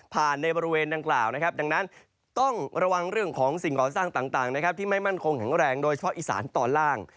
ในบริเวณดังกล่าวนะครับดังนั้นต้องระวังเรื่องของสิ่งก่อสร้างต่างนะครับที่ไม่มั่นคงแข็งแรงโดยเฉพาะอีสานตอนล่าง